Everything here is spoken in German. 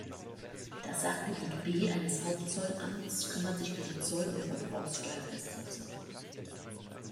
Das Sachgebiet B eines Hauptzollamts kümmert sich um die Zoll- und Verbrauchsteuerfestsetzung.